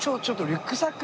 リュックサック？